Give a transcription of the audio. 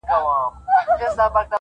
دی هم بل غوندي اخته په دې بلا سو-